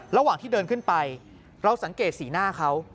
ระหว่างที่เดินขึ้นไปเราสังเกตสีหน้าเขา